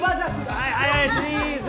はいはいチーズ！